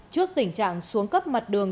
trước tình trạng xuống cấp mặt đường